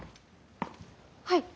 はい。